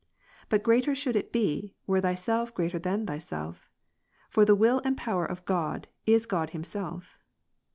But greater should it be, were Thyself greater than Thyself. For the will and power of God, is God Himself.